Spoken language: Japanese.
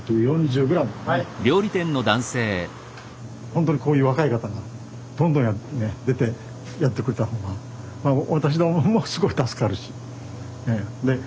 ほんとにこういう若い方がどんどん出てやってくれた方がまあ私どももすごい助かるしええ。